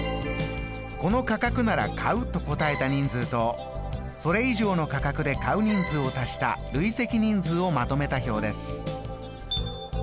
この価格なら買うと答えた人数とそれ以上の価格で買う人数を足した累積人数をまとめた表です。